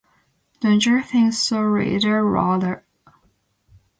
Don't you think so, reader, rather